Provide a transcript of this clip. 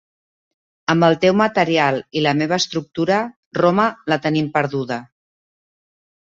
Amb el teu material i la meva estructura, Roma la tenim perduda.